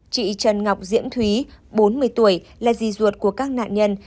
chị trần ngọc diễm thúy bốn mươi tuổi là gì ruột của các nạn nhân